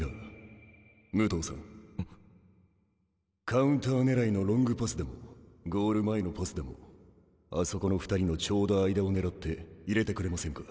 カウンター狙いのロングパスでもゴール前のパスでもあそこの２人のちょうど間を狙って入れてくれませんか？